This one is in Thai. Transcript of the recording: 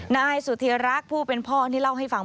นายสุธีรักษ์ผู้เป็นพ่อนี่เล่าให้ฟัง